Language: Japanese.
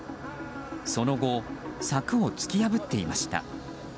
その後、柵を突き破っていました。